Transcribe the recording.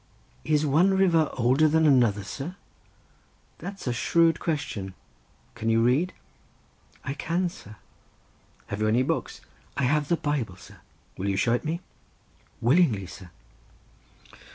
"Is one river older than another, sir?" "That's a shrewd question. Can you read?" "I can, sir." "Have you any books?" "I have the Bible, sir." "Will you show it me?" "Willingly, sir."